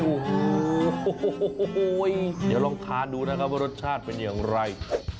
โอ้โหเดี๋ยวลองทานดูนะครับว่ารสชาติเป็นอย่างไร